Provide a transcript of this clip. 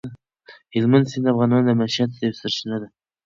هلمند سیند د افغانانو د معیشت یوه سرچینه ده.